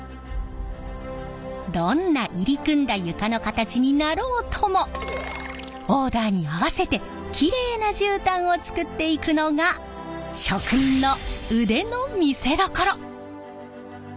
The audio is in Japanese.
どんな入り組んだ床の形になろうともオーダーに合わせてきれいなじゅうたんを作っていくのが職人の腕の見せどころ！